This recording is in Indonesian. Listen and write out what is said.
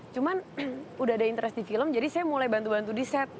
cuman udah ada interest di film jadi saya mulai bantu bantu di set